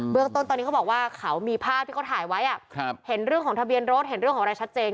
เรื่องต้นตอนนี้เขาบอกว่าเขามีภาพที่เขาถ่ายไว้เห็นเรื่องของทะเบียนรถเห็นเรื่องของอะไรชัดเจน